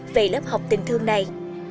về lớp học tình thương này